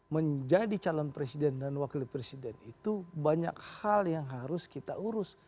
menjadi calon presiden dan wakil presiden itu banyak hal yang harus kita urus